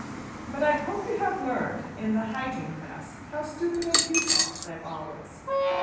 But I hope you have learned in the hygiene class how stupid and futile all that is.